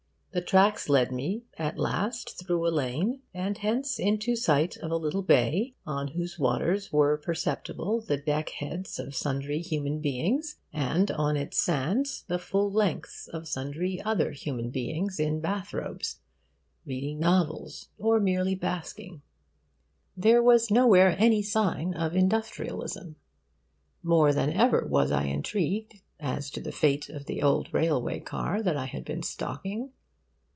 The tracks led me at last through a lane and thence into sight of a little bay, on whose waters were perceptible the deck heads of sundry human beings, and on its sands the full lengths of sundry other human beings in bath robes, reading novels or merely basking. There was nowhere any sign of industrialism. More than ever was I intrigued as to the fate of the old railway car that I had been stalking.